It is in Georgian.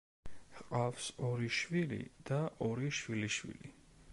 ჰყავს ორი შვილი და ორი შვილიშვილი.